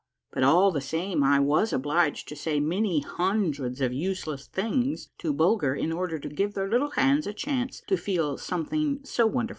But all the same, I was obliged to say many hundreds of useless things to Bulger in order to give their little hands a chance to feel some thing so wonderful.